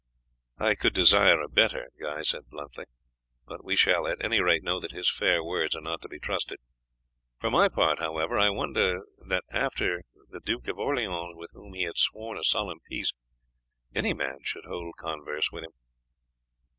"I could desire a better," Guy said bluntly; "but we shall at any rate know that his fair words are not to be trusted. For my part, however, I wonder that after the (agreement with) the Duke of Orleans, with whom he had sworn a solemn peace, any man should hold converse with him."